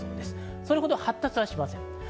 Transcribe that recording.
それほど発達はしません。